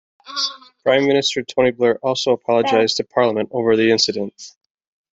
Prime Minister Tony Blair also apologised to Parliament over the incident.